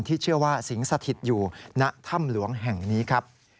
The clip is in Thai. เชื่อว่าสิงสถิตอยู่ณถ้ำหลวงแห่งนี้ครับ